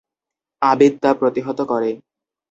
আবিদ তা প্রতিহত করে।